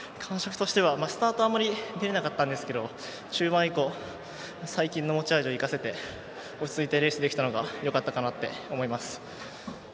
スタートはあまり出られなかったんですが中盤以降、最近の持ち味を生かせて落ち着いてレースできたのがよかったかなって思います。